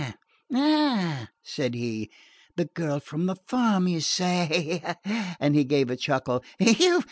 "Eh, eh," said he, "the girl from the farm, you say?" And he gave a chuckle.